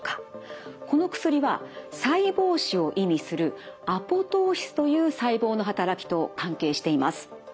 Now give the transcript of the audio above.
この薬は細胞死を意味するアポトーシスという細胞の働きと関係しています。